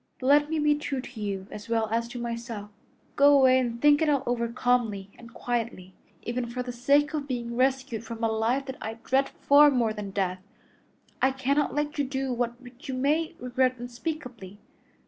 But let me be true to you as well as to myself. Go away and think it all over calmly and quietly. Even for the sake of being rescued from a life that I dread far more than death, I cannot let you do that which you may regret unspeakably.